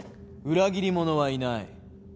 裏切り者はいない。